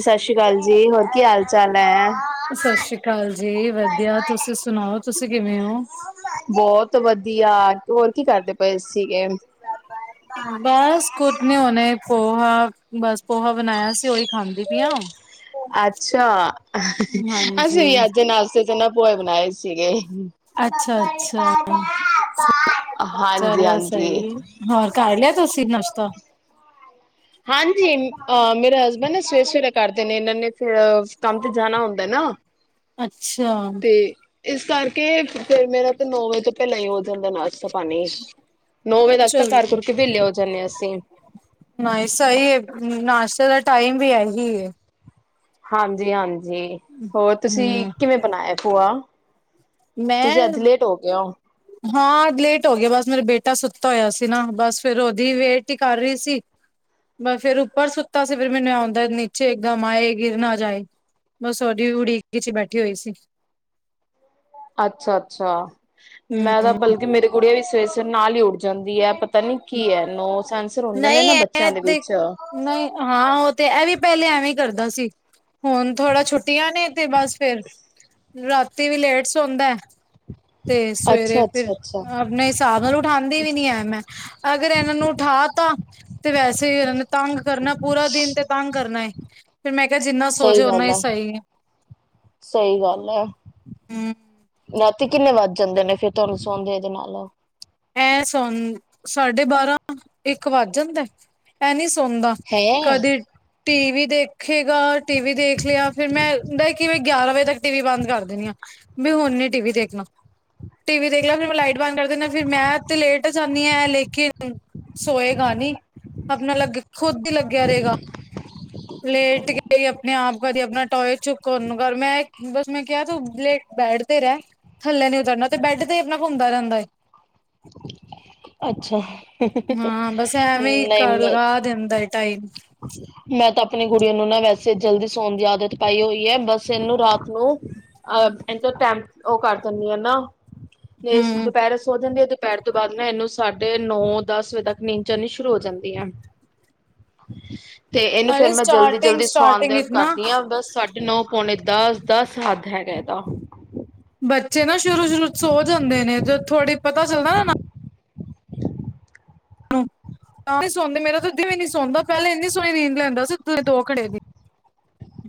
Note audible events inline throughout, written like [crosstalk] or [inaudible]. ਸਤਿ ਸ੍ਰੀ ਅਕਾਲ ਜੀ। ਹੋਰ ਕੀ ਹਾਲ ਚਾਲ ਹੈ। ਸਤਿ ਸ੍ਰੀ ਅਕਾਲ ਜੀ। ਵਧੀਆ, ਤੁਸੀਂ ਸੁਣਾਓ ਤੁਸੀਂ ਕਿਵੇਂ ਹੋ। ਬਹੁਤ ਵਧੀਆ ਹੋਰ ਕੀ ਕਰਦੇ ਪਏ ਸੀਗੇ। ਬਸ ਕੁੱਛ ਨਹੀਂ ਹੁਣੇ, ਪੋਹਾ ਬਸ ਪੋਹਾ ਬਣਾਇਆ ਸੀ, ਉਹੀ ਖਾਂਦੀ। ਵਿਉ! [unintelligible] ਅੱਛਾ। ਅਸੀਂ ਹਾਂਜੀ ਵੀ ਅੱਜ ਨਾਸ਼ਤੇ ਚ ਨਾਂ ਪੋਹੇ, ਬਣਾਏ ਸੀਗੇ। ਅੱਛਾ ਅੱਛਾ ਚਲੋ ਹਾਂਜੀ-ਹਾਂਜੀ। ਸਹੀ ਹੋਰ ਕਰ ਲਿਆ ਤੁਸੀਂ ਨਸ਼ਤਾ? ਹਾਂਜੀ, ਅਹ ਮੇਰੇ ਹਸਬੈਂਡ ਸਵੇਰੇ- ਸਵੇਰੇ, ਕਰਦੇ ਨੇ ਇਹਨਾਂ ਨੇ ਫਿਰ ਕੰਮ ਤੇ ਜਾਣਾ ਹੁੰਦਾ ਨਾ। ਹਾਂ। ਅੱਛਾ। ਇਸ ਕਰਕੇ ਫਿਰ ਮੇਰਾ ਤੇ ਨੌ ਵਜੇ ਤੋਂ ਪਹਿਲਾਂ ਹੀ ਹੋ ਜਾਂਦਾ ਨਾਸ਼ਤਾ- ਪਾਣੀ। ਨੌ ਵਜੇ ਤੱਕ ਤਾਂ ਚਲ ਕਰ- ਕੁਰ ਕੇ ਵੇਲੇ ਹੋ ਜਾਂਦੇ ਅਸੀਂ। ਉਸੇ ਦਾ ਟਾਈਮ ਵੀ ਐ ਹੀ। ਹਾਂਜੀ- ਹਾਂਜੀ ਹੋਰ ਤੁਸੀਂ ਹਮ, ਕਿਵੇਂ ਬਣਾਇਆ ਪੂਆ? ਤੁਸੀਂ ਮੈਂ ਅੱਜ ਲੇਟ ਹੋ ਗੇ ਹੋ। ਹਾਂ। ਲੇਟ ਹੋ ਗਿਆ ਬਸ ਮੇਰਾ ਬੇਟਾ ਸੁੱਤਾ ਹੋਇਆ ਸੀ। ਨਾ ਬਸ ਫੇਰ ਉਹਦੀ ਵੇਟ ਹੀ ਕਰ ਰਹੀ ਸੀ। ਬ ਫੇਰ ਉੱਪਰ ਸੁੱਤਾ ਸੀ। ਫਿਰ ਮੈਨੂੰ ਆਉਂਦਾ ਨੀਚੇ ਇਕ ਦਮ ਆਏ। ਗਿਰ ਨਾ ਜਾਏ। ਬ ਸੌਡੀ ਉਡੀਕ ਚ ਬੈਠੀ ਹੋਈ ਸੀ। ਅੱਛਾ- ਅੱਛਾ ਮੈਂ ਤਾਂ ਹੂੰ ਬਲਕਿ ਮੇਰੀ ਕੁੜੀ ਵੀ ਸਵੇਰੇ- ਸਵੇਰੇ ਨਾਲ ਹੀ ਉੱਡ ਜਾਂਦੀ ਹੈ। ਨੀ ਕੀ ਹੈ ਨੋ ਸੈਂਸਰ ਹੁੰਦੇ ਨੇ ਨਹੀਂ ਨਾ ਇਹ ਬੱਚਿਆਂ ਦੇ ਵਿੱਚ। ਨਹੀਂ ਹਾਂ। ਉਹ ਤੇ ਇਹ ਵੀ ਪਹਿਲੇ ਐਵੇਂ ਕਰਦਾ ਸੀ। ਹੁਣ ਥੋੜਾ ਛੁੱਟੀਆਂ ਨੇ ਤੇ ਬਸ ਫੇਰ ਰਾਤੀ ਵੀ ਲੇਟ ਸੌਦਾ। ਤੇ ਸਵੇਰੇ ਫਿਰ ਅੱਛਾ-ਅੱਛਾ-ਅੱਛਾ, ਆਪਣੇ ਹਿਸਾਬ ਨਾਲ ਉਠਾਉਂਦੀ ਵੀ ਨੀ ਹੈ। ਮੈਂ ਅਗਰ ਇਹਨਾਂ ਨੂੰ ਉਠਾ ਤਾ। ਤੇ ਵੈਸੇ ਇਹਨਾਂ ਨੇ ਤੰਗ ਕਰਨਾ। ਪੂਰਾ ਦਿਨ ਤੇ ਤੰਗ ਕਰਨਾ। ਤੇ ਜਿੰਨਾ ਸੋਚੇ ਸਹੀ ਓਨਾ ਗੱਲ ਹੀ ਸਹੀ ਹੈ। ਸਹੀ ਗੱਲ ਹੈ। ਹੂੰ। ਤੇ ਕਿੰਨੇ ਵੱਜ ਜਾਂਦੇ ਨੇ ਫਿਰ ਤੁਹਾਨੂੰ ਸੌਦੇ ਇਹਦੇ ਨਾਲ ਐ ਸੌ ਸਾਢੇ ਬਾਰਾਂ- ਇੱਕ ਵੱਜ ਜਾਂਦਾ ਐ ਨੀ। ਸੌਦਾ ਹੈਂ, ਕਦੇ ਟੀ ਵੀ ਦੇਖੇਗਾ। ਟੀ ਵੀ ਦੇਖ ਲਿਆ। ਫੇਰ ਮੈਂ ਦਾ ਕਿਵੇਂ ਗਿਆਰਾਂ ਵਜੇ ਤੱਕ ਟੀ ਵੀ ਬੰਦ ਕਰ ਦੇਣੀ ਆ। ਮ ਹੁਣ ਨ ਟੀ ਵੀ ਦੇਖਣਾ। ਟੀ ਵੀ ਦੇਖ ਲਿਆ, ਫਿਰ ਮੈਂ ਲਾਈਟ ਬੰਦ ਕਰ ਦੇਂਦੇ ਹਾਂ। ਫਿਰ ਮੈਂ ਤੇ ਲੇਟ ਜਾਂਦੀ ਹਾਂ। ਲੇਕਿਨ ਸੋਏਗਾ ਨੀ ਆਪਣਾ ਲੱਗੇ। ਖੁਦ ਹੀ ਲੱਗਿਆ ਰਹੇਗਾ। ਲੇਟ ਕੇ ਆਪਣੇ- ਆਪ ਵ ਆਪਣਾ ਟੋਟ ਚੁੱਕ ਮੈਂ ਬਸ ਮੈਂ ਕਿਹਾ, ਤੂੰਹ ਬੇਡ ਤੇ ਰਹਿ ਥੱਲੇ ਨੀ ਉ ਤੇ ਬੈੱਡ ਤੇ ਆਪਣਾ ਘੁੰਮਦਾ ਰਹਿੰਦਾ ਏ। ਅੱਛਾ। ਹਾਂ ਬਸ ਐਵੇਂ ਹੀ ਨਹੀਂ- ਕਰ ਨਹੀ- ਲਗਾ ਦਿੰਦਾ ਏ ਟਾਈਮ ਮੈਂ ਤਾਂ ਆਪਣੀ ਕੁੜੀਆਂ ਨੂੰ ਨਾ ਵੈਸੇ ਜਲਦੀ ਸੋਣ ਦੀ ਆਦਤ ਪਾਈ ਹੋਈ ਹੈ। ਬਸ ਇਹਨੂੰ ਰਾਤ ਨੂੰ ਅਹ ਇਹਨ ਤੋਂ ਟੈਮ ਉਹ ਕਰ ਦਿੰਦੀ ਆ ਨਾ ਜ ਹੂੰ ਦੁਪਹਿਰ ਸੋ ਜਾਂਦੀ ਆ। ਦੁਪਹਿਰ ਤੋਂ ਬਾਅਦ ਮੈਂ ਇਹਨੂੰ ਸਾਢੇ ਨੌ- ਦਸ ਵਜੇ ਤੱਕ ਨੀਂਦ ਚੜਨੀ ਸ਼ੁਰੂ ਹੋ ਜਾਂਦੀ ਹੈ। ਤੇ ਇਹਨੂੰ ਫੇਰ ਅਰੇ ਮੈਂ ਜਲਦੀ- ਸਟਾਰਟਿੰਗ ਜਲਦੀ ਸਟਾਰਟਿੰਗ ਸੌਆਦੀ ਵਿੱਚ ਨਾ ਕਰਦੀ ਹਾਂ। ਬਸ ਸਾਢੇ ਨੌ ਪੌਣੇ ਦਸ, ਦਸ ਹੱਦ ਹੈਗਾ ਇਹਦਾ ਬੱਚੇ ਨਾ ਸ਼ੁਰੂ ਸ਼ੁਰੂ ਸੋ ਜਾਂਦੇ ਨੇ ਜਦੋ ਥੋੜ੍ਹੀ ਪਤਾ ਚੱਲਦਾ ਨਾ ਨਾ [unintelligible] ਆਪੇ ਹੀ ਸੌਂਦਾ ਸੀ ਮੇਰਾ ਦਿਨੇ ਵੀ ਨਹੀਂ ਸੋਂਦਾ ਵੀ ਨੀ ਸਣਦਾ ਪਹਿਲਾਂ ਇੰਨੀ ਸੋਹਣੀ ਰੀਂ ਲੈਂਦਾ ਸੀ ਦੋ ਖੜੇ ਦੀ।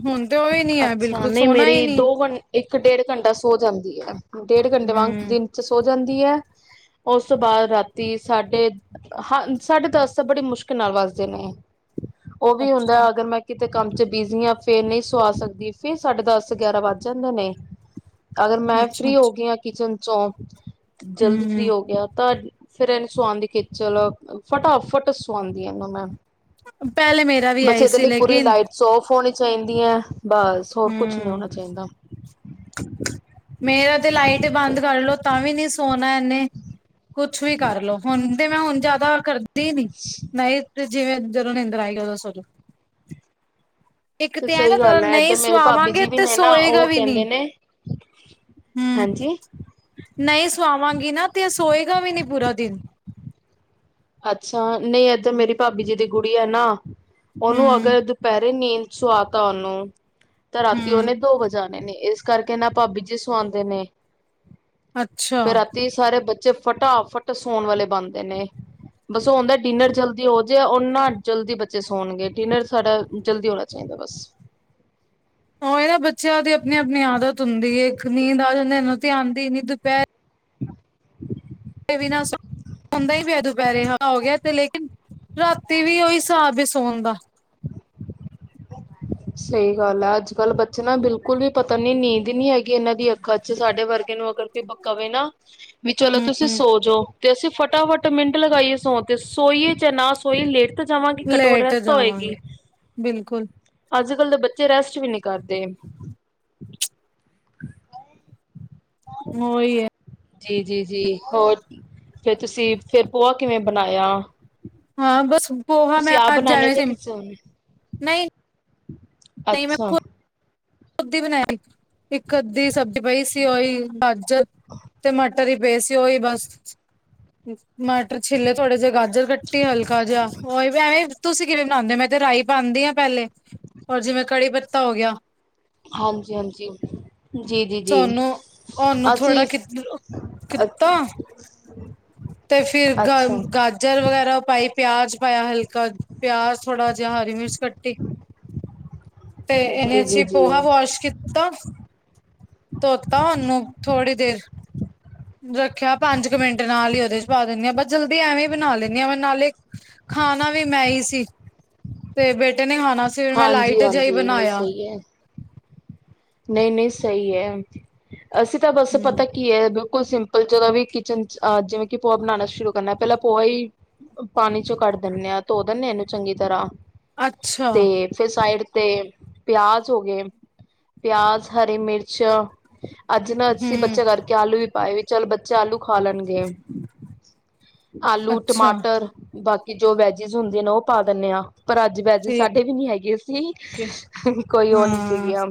ਹੁਣ ਤੇ ਉਹ ਵੀ ਨੀ ਹੈ ਅੱਛਾ, ਬਿਲਕੁਲ ਨਹੀਂ ਸੋਣਾ ਹੀ ਮੇਰੀ ਨੀ ਦੋ ਗਣ ਇੱਕ-ਡੇਢ ਘੰਟਾ ਸੌ ਜਾਂਦੀ ਹੈ ਡੇਢ ਘੰਟੇ ਵਾਂਗ ਹੂੰ ਦਿਨ 'ਚ ਸੋ ਜਾਂਦੀ ਹੈ। ਉਸ ਤੋਂ ਬਾਅਦ ਰਾਤੀ ਸਾਡੇ ਹ ਸਾਢੇ ਦਸ ਤਾਂ ਬੜੀ ਮੁਸ਼ਕਿਲ ਨਾਲ ਵੱਜਦੇ ਨੇ। ਉਹ ਵੀ ਅੱਛਾ ਹੁੰਦਾ ਅਗਰ ਮੈਂ ਕਿਤੇ ਕੰਮ ਚ ਬਿਜ਼ੀ ਹਾਂ ਫੇਰ ਨਹੀਂ ਸਵਾਹ ਸਕਦੀ ਫਿਰ ਸਾਡੇ ਦਸ- ਗਿਆਰਾਂ ਵੱਜ ਜਾਂਦੇ ਨੇ ਅਗਰ ਮੈਂ ਅੱਛਾ ਫ੍ਰਰੀ ਹੋ ਅੱਛਾ ਗਈ ਹਾਂ ਕਿਚਨ ਚੌ ਜਲਦੀ ਫ੍ਰੀ ਹੂੰ ਹੋ ਗਿਆ ਤ ਫੇਿਰ ਇਹਨੂੰ ਸਆਂਦੀ ਖਿਚਲ ਫਟਾ-ਫਟ ਸਆਉਂਦੀ ਇਹਨੂੰ ਮੈਂ। ਪਹਿਲੇ ਮੇਰਾ ਵੀ ਆਈ ਬਸੇਦੇ ਸੀ ਲਈ ਪੂਰੀ ਲੇਕਿਨ ਲਾਈਟ ਸ ਔਫ ਹੋਣੀ ਚਾਹੀਦੀਆਂ ਬਸ ਹੋਰ ਕੁਛ ਨੀ ਹੂੰ ਹੋਣਾ ਚਾਹੀਦਾ। ਮੇਰਾ ਤੇ ਲਾਈਟ ਬੰਦ ਕਰਲੋ ਤਾਂ ਵੀ ਨੀ ਸੋਣਾ ਇਹਨੇ ਕੁਛ ਵੀ ਕਰਲੋ। ਹੁਣ ਤੇ ਮੈਂ ਹੁਣ ਜਿਆਦਾ ਕਰਦੀ ਨੀ ਨਹੀਂ। ਜਿਵੇਂ ਜਦੋਂ ਨਿੰਦਰ ਆਈ ਉਦੋਂ ਸੋ ਜਾਓ। ਸਹੀ ਗੱਲ ਹੈ ਇਏਧਰ ਮੇਰੇ ਭਾਬੀ ਸੁਆਵਾਂਗੇ ਜੀ ਵੀ ਤੇ ਨੇ ਨਾ ਸੋਏਗਾ ਉਹ ਵੀ ਨੀ ਕਹਿੰਦੇ ਨੇ ਹੂੰ ਹਾਂਜੀ। ਨਹੀਂ, ਸਵਾਵਾਂਗੀ ਨਾ ਤੇ ਸੋਏਗਾ ਵੀ ਨਹੀਂੀ ਪੂਰਾ ਦਿਨ। ਅੱਛਾ, ਨਹੀਂ ਏਧਰ ਮੇਰੀ ਭਾਬੀ ਜੀ ਦੀ ਗੁੜੀਆ ਐਨਾ ਉਹਨੂੰ ਹੂੰ ਅਗਰ ਦੁਪਹਿਰ ਨੀਂਦ ਸੁਆ ਤਾ ਉਹਨੂੰ ਤੇ ਰਾਤੀ ਹੂੰ ਉਹਹਨੇ ਦੋ ਵਜਾ ਨੇ ਇਸ ਕਰਕੇ ਨਾ ਭਾਬੀ ਜੀ ਸਆਉਂਦੇ ਨੇ ਅੱਛਾ ਫੇਰ ਰਾਤੀ ਸਾਰੇ ਬੱਚੇ ਵਿੱਚ ਫਟਾ-ਫਟ ਸੌਣ ਵਾਲੇ ਬਣਦੇ ਨੇ। ਬਸ ਉਹ ਹੁੰਦਾ ਡਿਨਰ ਜਲਦੀ ਹੋ ਜਾਏ ਓਨਾ ਜਲਦੀ ਬੱਚੇ ਸੌਣਗੇ, ਡਿਨਰ ਸਾਡਾ ਜਲਦੀ ਹੋਣਾ ਚਾਹੀਦਾ। ਬਸ। [inaudible] ਉਹ ਇਹ ਨਾ ਬੱਚਿਆਂ ਦੀ ਆਪਣੀ-ਆਪਣੀ ਆਦਤ ਹੁੰਦੀ ਏ ਇੱਕ ਨੀਂਦ ਆ ਜਾਂਦੀ ਮੈਨੂ ਤਾਂ ਆਉਦੀ ਨ ਦੁਪਹਿਰ ਹੂ ਵੀ ਨਾ ਹੁੰਦਾ ਹੀ ਪਿਆ ਦੁਪਹਿਰੇ। ਹੋ ਗਿਆ ਤੇ ਲੇਕਿਨ ਰਾਤੀ ਵੀ ਉਹੀ ਹਿਸਾਬ ਹੀ ਸੋਣ ਦਾ। [inaudible] [inaudible] ਸਹੀ ਗੱਲ ਹੈ, ਅੱਜ-ਕੱਲ੍ਹ ਬੱਚੇ ਨਾ ਬਿਲਕੁਲ ਵੀ ਪਤਾ ਨੀ ਨੀਂਦ ਨੀ ਹੈਗੀ ਇਹਨਾਂ ਦੀ ਅੱਖਾਂ ਚ ਸਾਡੇ ਵਰਗੇ ਨੂੰ ਅਗਰ ਕੋਈ ਬਕਾਵੇ ਨਾ ਵੀ ਚਲੋ ਹੂੰ ਤੁਸੀਂ ਸੋ ਜਾੋ ਤੇ ਅਸੀਂ ਫਟਾਫਟ ਮਿੰਟ ਲਗਾਈਏ। ਸੋ ਤੇ ਸੋਈਏ ਜਾਂ ਨਾ ਸੋਈਏ ਲੇਟ ਤਾਂ ਜਾਵਾਂਗੀ ਘੱਟੋ-ਘਟ ਲੇਟ ਰੈਸਟ ਤਾਂ ਜਾਵਾਂਗੇ ਹੋਏਗੀ। ਬਿਲਕੁਲ ਅੱਜ-ਕੱਲ੍ਹ ਦੇ ਬੱਚੇ ਰੈਸਟ ਵੀ ਨੀ ਕਰਦੇ। ਉਹੀ ਹੈ। ਜੀ ਜੀ ਜੀ ਹੋਰ ਫਿਰ ਤੁਸੀਂ ਫਿਰ ਪੋਹਾ ਕਿਵੇਂ ਬਣਾਇਆ? ਹਾਂ, ਬਸ ਪੋਹਾ ਮੈਂ ਤੁਸੀਂ ਆਪ ਅਜ ਬਣਾਉਦੇ ਹੋ ਜਾਇਆ ਜਾਂ ਸੀ, ਕਿਸੇ ਹੋਰ ਨੇ ਨਹੀਂ ਅੱਛਾ। ਕਿ ਬਣਾਇਆ ਇੱਕ ਅੱਧੀ ਸਬਜ਼ੀ ਪਾਈ ਸਿਓਈ ਗਾਜਰ ਤੇ ਮਟਰ। ਤਰੀ ਬੇਸੀ ਹੋਈ ਬਸ। ਮਾਟਰ ਛਿੱਲੇ ਥੋੜੇ ਜਿਹੇ ਗਾਜਰ ਕੱਟੀ ਹਲਕਾ ਜਿਹਾ ਉਹੀ ਐਵੇਂ ਤੁਸੀਂ ਕਿਵੇਂ ਬਣਾਉਂਦੇ ਹੋ ਮੈਂ ਤੇ ਰਾਈ ਪਾਉਂਦੀ ਹਾਂ ਪਹਿਲੇ ਰ ਜਿਵੇਂ ਕੜੀ ਪੱਤਾ ਹੋ ਗਿਆ। ਹਾਂਜੀ-ਹਾਂਜੀ। ਜੀ ਜੀ ਜੀ ਤੁਹਾਨੂੰ ਉਹਨੂੰ ਥੋੜਾ ਅਸੀਂ ਕਿ ਕੀਤਾ ਤੇ ਫਿਰ ਗ ਅੱਛਾ ਗਾਜਰ ਵਗੈਰਾ ਪਾਈ ਪਿਆਜ ਪਾਇਆ ਹਲਕਾ ਪਿਆਜ ਥੋੜਾ ਜਾਂ ਹਰੀ ਮਿਰਚ ਕੱਟੀ ਤੇ ਜੀ ਇਹਨੇ ਜੀ ਚ ਜੀ ਪੋਹਾ ਵਾਸ਼ ਕੀਤਾ। ਧੋਤਾ ਉਹਨੂੰ ਥੋੜ੍ਹੀ ਦੇਰ, ਰੱਖਿਆ। ਪੰਜ ਕੁ ਮਿੰਟ ਨਾਲ ਹੀ ਚ ਪਾ ਦਿੰਦੀ ਹਾਂ। ਬਸ ਜਲਦੀ ਐਵੇਂ ਹੀ ਬਣਾ ਲੈਂਦੀ ਹਾਂ। ਮ ਨਾਲੇ ਖਾਣਾ ਵੀ ਮੈਂ ਹੀ ਸੀ। ਤੇ ਬੇਟੇ ਨੇ ਖਾਣਾ ਸੀ। ਫਿਰ ਮੈਂ ਹਾਂਜੀ ਲਾਈਟ ਜਿਹਾ ਹੀ ਹਾਂਜੀ ਨਹੀਂ ਬਣਾਇਆ। ਸਹੀ ਹੈ ਨਹੀਂ -ਨਹੀਂ ਸਹੀ ਹੈ। ਅਸੀਂ ਤਾਂ ਬਸ ਹਮ ਪਤਾ ਕੀ ਹੈ। ਬਿਲਕੁਲ ਸਿੰਪਲ ਜਦੇਂ ਵੀ ਕਿਚਨ ਚ ਜਿਵੇ ਕਿ ਪੋਹਾ ਬਣਾਉਣਾ ਸ਼ੁਰੂ ਕਰਨਾ ਪਹਿਲਾਂ ਪੋਆ ਹੀ ਪਾਣੀ ਚੋਂ ਕੱਢ ਦਿੰਦੇ ਹਾਂ। ਧੋ ਦਿੰਨਦੇ ਹਾਂ। ਇਹਨੂੰ ਚੰਗੀ ਤਰ੍ਹਾਂ ਅੱਛਾ ਤੇ ਫਿਰ ਸਾਈਡ ਤੇ ਪਿਆਜ ਹੋ ਗਏ। ਪਿਆਜ਼, ਹਰੀ ਮਿਰਚ ਅੱਜ ਨਾ ਅਸੀਂ ਹਮ ਬੱਚਆ ਕਰਕੇ ਆਲੂ ਵੀ ਪਾਏ ਵੀ। ਚੱਲ ਬੱਚੇ ਆਲੂ ਖਾ ਲੈਣਗੇ ।ਆਲੂ, ਅੱਛਾ ਟਮਾਟਰ ਬਾਕੀ ਜੋ ਵੈਜਿਸ ਹੁੰਦੇ ਨੇ ਉਹ ਪਾ ਦਿੰਦੇ ਆ। ਪਰ ਅੱਜ ਵੈਜੇਸ ਠੀਕ ਸਾਡੇ ਵੀ ਨੀ ਹੈਗੇ ਸੀ। ਏ, ਕੋਈ ਉਹ ਨੀ ਹਾਂ ਸੀਗੀਆਂ।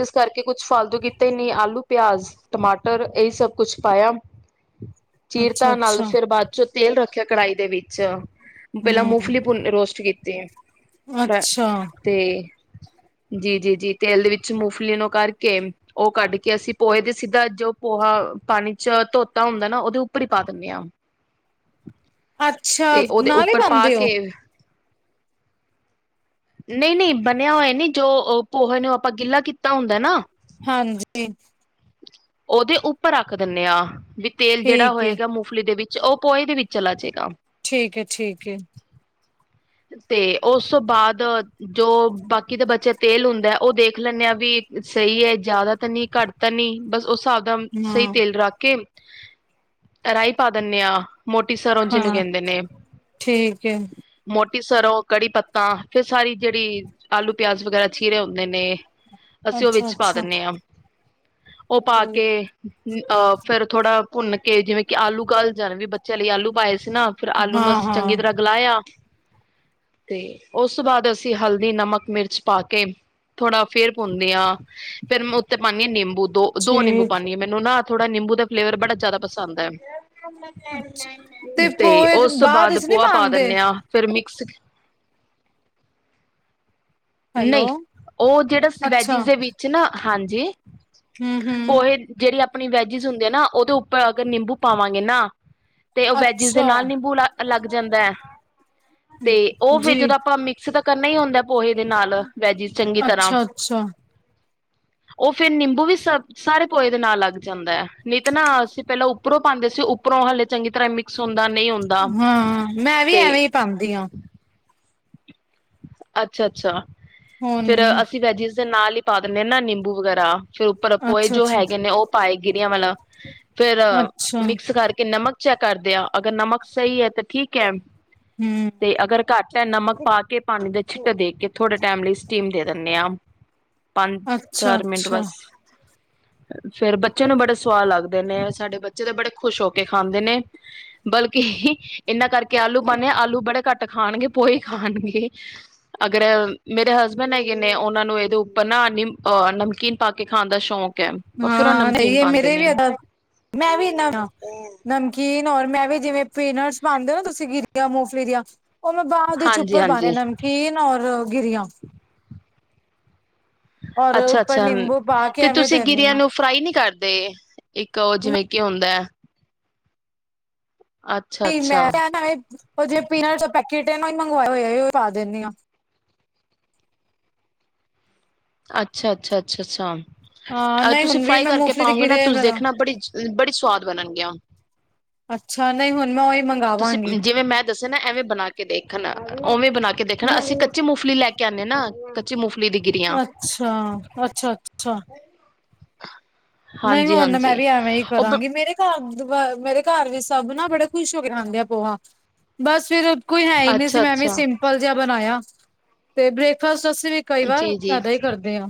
ਇਸ ਕਰਕੇ ਕੁਛ ਫਾਲਤੂ ਕਿਤੇ ਹੀ ਨ ਆਲੂ, ਪਿਆਜ਼, ਟਮਾਟਰ ਇਹੀ ਸਭ ਕੁਛ ਪਾਇਆ। ਅੱਛਾ ਚੀਰਤਾ ਨਾਲ। ਅੱਛਾ ਫਿਰ ਬਾਅਦ ਚੋਂ ਤੇਲ ਰੱਖਿਆ ਕੜਾਹੀ ਦੇ ਵਿੱਚ ਪਹਿਲਾਂ ਹਮ ਮੂੰਗਫਲੀ ਭੂਨ ਰੋਸਟ ਕੀਤੀ ਹੈ ਫ ਅੱਛਾ ਤੇ ਜੀ -ਜੀ -ਜੀ ਤੇਲ ਦੇ ਵਿੱਚ ਮੋਫਲੀ ਨੂੰ ਕਰਕੇ ਉਹ ਕੱਢ ਕੇ ਅਸੀਂ ਪੋਹੇ ਦੇ ਸਿੱਧਾ ਜੋ ਪੋਹਾ ਪਾਣੀ ਚ ਧੋਤਾ ਹੁੰਦਾ ਨਾ ਉਹਦੇ ਉੱਪਰ ਹੀ ਪਾ ਦਿੰਦੇ ਹ ਆ [inaudible] ਅੱਛਾ ਉਹਦੇ ਨਾਲ ਹੀ ਉੱਪਰ ਪਾ ਬਣਦੇ ਉਹ ਕੇ ਨਹੀਂ ਨਹੀਂ ਬਣਿਆ ਹੋਇਆ ਨੀ ਜੋ ਪੋਹੇ ਨੂੰ ਆਪਾਂ ਗਿੱਲਾ ਕੀਤਾ ਹੁੰਦਾ ਨਾ ਹਾਂਜੀ ਉਹਦੇ ਉੱਪਰ ਰੱਖ ਦਿੰਦੇ ਆ ਵੀ ਤੇਲ ਜਿਹੜਾ ਠੀਕ ਹੈ ਹੋਏਗਾ ਮੂੰਗਫਲੀ ਦੇ ਵਿੱਚ ਉਹ ਪੋਹੇ ਦੇ ਵਿੱਚ ਚਲਾ ਜਾਏਗਾ ਠੀਕ ਹੈ ਠੀਕ ਹੈ ਤੇ ਉਸ ਤੋਂ ਬਾਅਦ ਜੋ ਬਾਕੀ ਦੇ ਬੱਚੇ ਤੇਲ ਹੁੰਦਾ ਉਹ ਦੇਖ ਲੈਂਨੇ ਆ ਵੀ ਸਹੀ ਹੈ ਜਿਆਦਾ ਤਾਂ ਨਹੀਂ ਘੱਟ ਤਾਂ ਨਹੀਂ ਬਸ ਸਦਮ ਸਹੀ ਹਾਂ ਤੇਲ ਰਖ ਕੇ ਰਾਈ ਪਾਦੇ ਨੇ ਆ ਮੋਟੀ ਸਰੋਂ ਜਿਹਨੂੰ ਹਾਂ ਕਹਿੰਦੇ ਨੇ ਠੀਕ ਹੈ ਮੋ ਸਰੋਂ ਕੜੀ ਪੱਤਾ ਫਿਰ ਸਾਰੀ ਜਿਹੜੀ ਆਲੂ ਪਿਆਜ ਵਗੈਰਾ ਚੀਰੇ ਹੁੰਦੇ ਨੇ ਅਸੀਂ ਉਹ ਅੱਛਾ ਵਿੱਚ ਪਾ ਅੱਛਾ ਦਿੰਦੇ ਹਾਂ ਉਹ ਪਾ ਕੇ ਆਹ ਫਿਰ ਥੋੜਾ ਭੁੰਨ ਕੇ ਜਿਵੇਂ ਕਿ ਆਲੂ ਘਲ ਜਾਣ ਵੀ ਬੱਚਿਆਂ ਲਈ ਆਲੂ ਪਾਏ ਨਾ ਫਿਰ ਆਲੂ ਹਾਂ ਨੂੰ ਅਸੀਂ ਹਾਂ ਚੰਗੀ ਤਰ੍ਹਾਂ ਗਲਾਇਆ ਤੇ ਉਸ ਤੋਂ ਬਾਅਦ ਅਸੀਂ ਹਲਦੀ ਨਮਕ ਮਿਰਚ ਪਾ ਕੇ ਥੋੜਾ ਫੇਰ ਭੂਨਦੀ ਆ ਫੇਰ ਉੱਤੇ ਪਾਉਂਦੀ ਹਾਂ ਨਿੰਬੂ ਦੋ ਦੋ ਨਿੰਬੂ ਠੀਕ ਪਾਉਂਦੀ ਹਾਂ ਮੈਨੂੰ ਨਾ ਥੋੜਾ ਨਿੰਬੂ ਦਾ ਫਲੇਵਰ ਬੜਾ ਜ਼ਿਆਦਾ ਪਸੰਦ ਹੈ ਤੇ ਪੋਏ ਉਸ ਤੋਂ ਬਾਅਦ ਵਿੱਚ ਨਹੀਂ ਪੋਹਾ ਪਾ ਪਾਂਦੇ ਦਿੰਨੇ ਹ ਫਿਰ ਮ ਸਿਕ ਹੈਲੋ ਨਹੀਂ, ਉਹ ਜਿਹੜਾ ਅੱਛਾ ਵੈਜਿਸ ਦੇ ਵਿੱਚ ਨਾ ਹਾਂਜੀ। ਹੂੰ ਹੂੰ ਪੋਹੇ ਜਿਹੜੀ ਆਪਣੀ ਵੈਜਿਸ ਹੁੰਦੇ ਆ ਨਾ ਉਹਦੇ ਉੱਪਰ ਅਗਰ ਨਿੰਬੂ ਪਾਵਾਂਗੇ ਨਾ ਤੇ ਉਹ ਵੈਜਿਸ ਦੇ ਅੱਛਾ ਨਾਲ ਨਿੰਬੂ ਲ ਲੱਗ ਜਾਂਦਾ ਹੈ ਤੇ ਉਹ ਫਿਰ ਜੀ ਜਦੋਂ ਆਪਾਂ ਮਿਕਸ ਦਾ ਕਰਨਾ ਹੀ ਹੁੰਦਾ ਪੋਹੇ ਦੇ ਨਾਲ ਵੈਜਿਸ ਚੰਗੀ ਤਰ੍ਹਾਂ ਅੱਛਾ ਅੱਛਾ [inaudible] ਉਹ ਫਿਰ ਨਿੰਬੂ ਵੀ ਸ ਸਾਰੇ ਪੋਹੇ ਦੇ ਨਾਲ ਲੱਗ ਜਾਂਦਾ ਹੈ ਨਹੀ ਤਾਂ ਨਾ ਅਸੀਂ ਪਹਿਲਾਂ ਉੱਪਰੋਂ ਪਾਉਂਦੇ ਸੀ ਉੱਪਰੋਂ ਪੋਹਾ ਹਾਲੇ ਚੰਗੀ ਤਰ੍ਹਾਂ ਮਿਕਸ ਹੁੰਦਾ ਨਹੀਂ ਹੁੰਦਾ ਹਾਂ ਮੈਂ ਵੀ ਤੇ ਐਵੇਂ ਹੀ ਪਾਂਦੀ ਹਾਂ ਅੱਛਾ-ਅੱਛਾ ਫਿਰ ਹੁਣ ਅਸੀਂ ਵੈਜਿਸ ਦੇ ਨਾਲ ਹੀ ਪਾ ਦਿੰਦੇ ਹ ਨਾ ਨਿੰਬੂ ਵਗੈਰਾ ਫਿਰ ਉੱਪਰ ਪੋਏ ਅੱਛਾ ਜੋ ਅੱਛਾ ਹੈਗੇ ਨੇ ਉਹ ਪਾਏ ਗੇਰਿਆ ਵਾਲਾ ਫਿਰ ਅੱਛਾ ਮਿਕਸ ਕਰਕੇ ਨਮਕ ਅਚ ਕਰਦੇ ਆ ਅਗਰ ਨਮਕ ਸਹੀ ਹੈ ਤੇ ਠੀਕ ਹੈ ਹੂੰ ਤੇ ਅਗਰ ਘੱਟ ਹੈ ਨਮਕ ਪਾ ਕੇ ਪਾਣੀ ਦੇ ਛਿੱਟ ਦੇਖ ਕੇ ਥੋੜੇ ਟਾਈਮ ਲਈ ਸਟੀਮ ਦੇ ਦਿੰਦੇ ਹਾਂ ਪੰਜ ਅੱਛਾ ਚਾਰ ਮਿੰਟ ਅੱਛਾ ਬਸ ਫਿਰ ਬੱਚੇ ਨੂੰ ਬੜੇ ਸਵਾਦ ਲੱਗਦੇ ਨੇ ਸਾਡੇ ਬੱਚੇ ਤਾਂ ਬੜੇ ਖੁਸ਼ ਹੋ ਕੇ ਖਾਂਦੇ ਨੇ ਬਲਕਿ ਇਹਨਾਂ ਕਰਕੇ ਆਲੂ ਪਾਂਦੇ ਆਲੂ ਬੜੇ ਘੱਟ ਖਾਣਗੇ ਪੋਏ ਖਾਣਗੇ। ਅਗਰ ਮੇਰੇ ਹਸਬੈਂਡ ਹੈਗੇ ਨੇ ਉਹਨਾਂ ਨੂੰ ਇਹਦੇ ਉੱਪਰ ਨਾ ਨਹ ਨਮਕੀਨ ਪਾ ਕੇ ਖਾਣ ਦਾ ਸ਼ੌਂਕ ਹਾਂ ਸਹੀ ਹੈ ਮੇਰੇ ਵੀ ਇਦਾਂ ਮੈਂ ਵੀ ਨਾ ਨਮਕੀਨ ਔਰ ਮੈਂ ਵੀ ਵੀ ਜਿਵੇਂ ਪੇਨਰਸ ਪਾਉਂਦੇ ਹੋ ਨਾ ਤੁਸੀਂ ਗਿਰੀਆਂ ਮੋਫਲੀ ਦੀਆਂ ਉਹ ਮੈਂ ਬਾਂਹਦੇ ਚ ਹਾਂਜੀ ਉੱਪਰ ਪਾਉਣੇ ਹਾਂਜੀ ਨਮਕੀਨ ਔਰ ਗਿਰੀਆਂ ਔਰ ਅੱਛਾ ਉੱਪਰ ਅੱਛਾ ਨਿੰਬੂ ਪਾ ਕੇ ਤੇ ਐਵੇਂ ਤੁਸੀਂ ਦਿੰਦੀ ਗੇਰੀਆਂ ਆ ਨੂੰ ਫਰਾਈ ਨੀ ਕਰਦੇ? ਤੇ ਇੱਕ ਉਹ ਜਿਵੇਂ ਕਿ ਹੁੰਦਾ ਹੈ ਅੱਛਾ ਨਹੀਂ ਮੈਂ ਅੱਛਾ ਉਹ ਜ ਪੀਨਟ ਪੈਕੇਟ ਮੰਗਵਾਏ ਹੋਏਆ ਪਾ ਦਿੰਦੀ ਹਾਂ ਅੱਛਾ ਅੱਛਾ ਅੱਛਾ ਹਾਂ ਅੱਛਾ ਨਹੀਂ ਤੁਸੀਂ ਹੁਣ ਵੀ ਫਰਾਈ ਮੈਂ ਕਰਕੇ ਮੂੰਗਫਲੀ ਤੇ ਪਾਓਗੇ ਨਾ ਗਿਰਿਆ ਤੁਸੀਂ ਮੇਰਾ ਦੇਖਣਾ ਬੜੀ ਬੜੀ ਸਵਾਦ ਬਣਨਗੀਆਂ ਅੱਛਾ ਨਹੀਂ ਹੁਣ ਮੈਂ ਉਹੀ ਮੰਗ ਤੁਸੀਂ ਜਿਵੇਂ ਮੈਂ ਦੱਸਿਆ ਨਾ ਐਵੇਂ ਬਣਾ ਕੇ ਦੇਖਣ ਉਵੇਂ ਬਣਾ ਕੇ ਦੇਖਣ ਅਸੀਂ ਕੱਚੀ ਮਗਫਲੀ ਲੈ ਕੇ ਕਹਿੰਦੇ ਨਾ ਕੱਚੀ ਮੂੰਗਫਲੀ ਦੀ ਗਿਰੀਆਂ ਅੱਛਾ ਅੱਛਾ ਅੱਛਾ ਨਹੀਂ ਹੁਣ ਮੈਂ ਹਾਂਜੀ-ਹਾਂਜੀ ਵੀ ਐਵੇਂ ਹੀ ਉਹ ਕਰਾਂਗੀ ਮੇਰੇ ਘਰ ਮੇਰੇ ਘਰ ਵੀ ਸਭ ਨਾ ਬੜੇ ਖੁਸ਼ ਹੋ ਕੇ ਖਾਂਦੇ ਆ ਪੋਹਾ ਬਸ ਫਰ ਕੋਈ ਹੈ ਹੀ ਨਹੀਂ ਸੀ ਮੈਂ ਵੀ ਅੱਛਾ-ਅੱਛਾ ਸਿੰਪਲ ਜਿਹਾ ਬਣਾਇਆ ਤੇ ਬ੍ਰੇਕਫਾਸਟ ਅਸੀਂ ਵੀ ਕਈ ਵਾਰ ਜੀ-ਜੀ ਫੇਦਾ ਹੀ ਕਰਦੇ ਹਾਂ।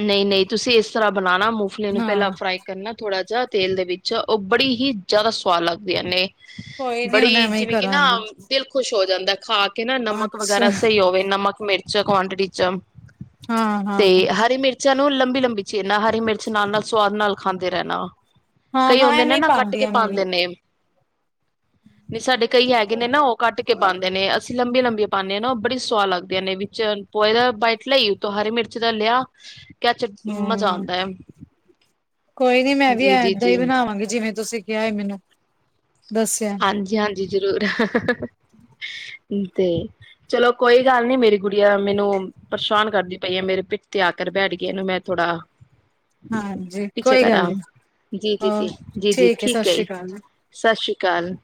ਨਹੀਂ ਨਹੀਂ ਤੁਸੀਂ ਇਸ ਤਰ੍ਹਾਂ ਬਣਾਣਾ ਮੂੰਗਫਲੇ ਨੂੰ ਪਹਿਲਾਂ ਹਾਂ। ਫਰਾਈ ਕਰਨਾ ਥੋੜ੍ਹਾ ਜਾ ਤੇਲ ਦੇ ਵਿੱਚ ਉਹ ਬੜੀ ਹੀ ਜ਼ਿਆਦਾ ਸਵਾਦ ਲੱਗਦੀਆਂ ਨੇ ਕੋਈ ਨੀ ਹੁਣ ਬੜੀ ਐਵੇਂ ਹੀ ਜਿਵੇਂ ਕਿ ਨਾ ਕਰਾਂਗੀ ਦਿਲ ਖੁਸ਼ ਹੋਏ ਜਾਂਦਾ ਖਾ ਕੇ ਨਾ ਨਮਕ ਅੱਛਾ ਵਗੈਰਾ ਸਹੀ ਹੋਵੇ ਨਮਕ ਮਿਰਚ ਕੁਆਂਟਿਟੀ ਚ ਹਾਂ ਹਾਂ ਤੇ ਹਾਂ ਹਰੀ ਮਿਰਚਾਂ ਨੂੰ ਲੰਬੀ ਲੰਬੀ ਚੀਰਨਾ ਹਰੀ ਮਿਰਚ ਨਾਲ ਨਾਲ ਸਵਾਦ ਨਾਲ ਖਾਂਦੇ ਰਹਿਣਾ ਵਾ ਹਾਂ, ਕਈ ਹਾਂ ਹੁੰਦੇ ਐਵੇਂ ਨੇ ਹੀ ਨਾ ਕੱਟ ਪਾਉਂਦੀ ਕੇ ਆ ਮੈਂ ਵੀ। ਪਾਉਂਦੇ ਨੇ [inaudible] ਨਹੀਂ ਸਾਡੇ ਕਈ ਹੈਗੇ ਨੇ ਨਾ ਉਹ ਕੱਟ ਕੇ ਪਾਉਂਦੇ ਨੇ ਅਸੀਂ ਲੰਬੀ ਲੰਬੀ ਪਾਉਂਦੇ ਹਾਂ ਨਾ ਉਹ ਬੜੀ ਸਵਾਦ ਲੱਗਦੀਆਂ ਨੇ ਵਿੱਚ ਪੋਏ ਦਾ ਬਾਈਟ ਲਈਏ ਉਤੋਂ ਹਰੀ ਮਿਰਚ ਦਾ ਲਿਆ ਕਚ ਮਜ਼ਾ ਹੂੰ, ਆਉਂਦਾ ਹੈ ਕੋਈ ਨੀ ਮੈਂ ਵੀ ਜੀ ਜੀ ਏਦਾਂ ਹੀ ਜੀ ਬਣਾਵਾਂਗੀ ਜਿਵੇਂ ਤੁਸੀਂ ਕਿਹਾ ਹੈ ਮੈਨੂੰ ਦੱਸਿਆ ਜੀ ਜ਼ਰੂਰ [inaudible] ਤੇ ਚਲੋ ਕੋਈ ਗੱਲ ਨੀ ਮੇਰੀ ਗੁੜੀਆ ਮੈਨੂੰ ਪਰੇਸ਼ਾਨ ਕਰਦੀ ਪਈ ਹੈ ਮੇਰੇ ਪਿੱਠ ਤੇ ਆ ਕਰ ਬੈਠ ਗਿਆ ਇਹਨੂੰ ਮੈਂ ਥੋੜ੍ਹਾ ਹਾਂਜੀ ਕੋਈ ਗੱਲ ਨੀ ਜੀ ਜੀ ਜੀ ਹੋਰ ਜੀ ਜੀ ਏ ਸਤਿ ਠੀਕ ਹੈ ਸ੍ਰੀ ਜੀ ਅਕਾਲ। ਸਤਿ ਸ਼੍ਰੀ ਅਕਾਲ।